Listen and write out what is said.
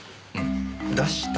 出した？